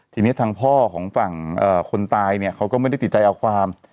ทีนี้ทางพ่อของฝั่งคนตายเนี่ยเขาก็ไม่ได้ติดใจเอาความ